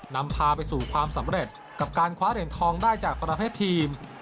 นำพาไปสู่ความสำเร็จกับการคว้าเหรียญทองได้จากประเภททีม